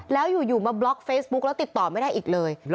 แล้วอยู่มาบล็อกเฟซบุ๊กแล้วติดต่อไม่ได้อีกเลย